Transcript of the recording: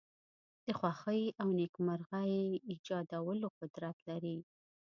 د خوښۍ او نېکمرغی د ایجادولو قدرت لری.